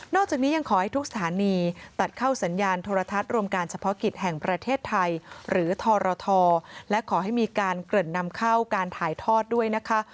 จากนี้ยังขอให้ทุกสถานีตัดเข้าสัญญาณโทรทัศน์รวมการเฉพาะกิจแห่งประเทศไทยหรือทรทและขอให้มีการเกริ่นนำเข้าการถ่ายทอดด้วยนะคะ